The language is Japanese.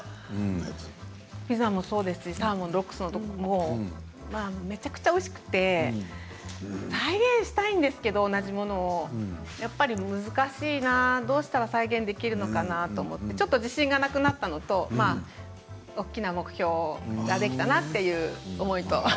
ピザもそうですしサーモンのロックスのところもめちゃくちゃおいしくて同じものを再現したいんですけれど、難しいなどうしたら再現できるのかなとちょっと自信がなくなったのと大きな目標ができたなという思いと。